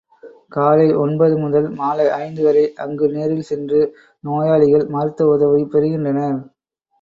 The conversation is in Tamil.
காலை ஒன்பது முதல் மாலை ஐந்து வரை அங்கு நேரில் சென்று நோயாளிகள் மருத்துவ உதவி பெறுகின்றனர்.